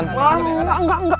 enggak enggak enggak